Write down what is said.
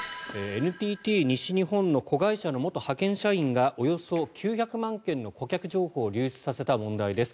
ＮＴＴ西日本の子会社の元派遣社員がおよそ９００万件の顧客情報を流出させた問題です。